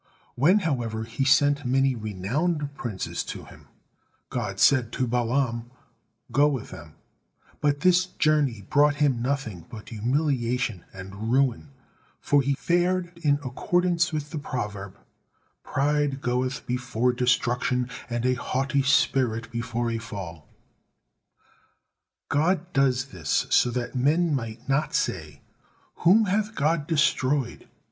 When, however, he sent many renowned princes to him, God said to Balaam, "Go with them," but this journey brought him nothing but humiliation and ruin, for he fared in accordance with the proverb, "Pride goeth before destruction, and an haughty spirit before a fall." God does this so that men might not say, "Whom hath God destroyed?